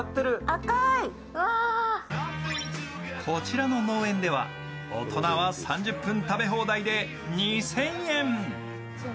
こちらの農園では大人は３０分食べ放題で２０００円。